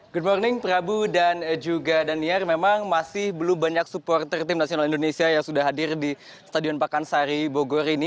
good morning prabu dan juga daniar memang masih belum banyak supporter tim nasional indonesia yang sudah hadir di stadion pakansari bogor ini